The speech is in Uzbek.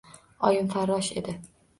Oyim farrosh edi.